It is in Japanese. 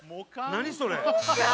何それ？